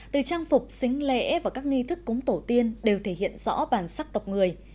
từ trang phục xính lễ và các nghi thức cúng tổ tiên đều thể hiện rõ bản sắc tộc người